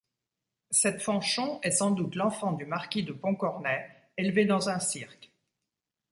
Cette Fanchon est sans doute l'enfant du marquis de Pontcornet, élevé dans un cirque.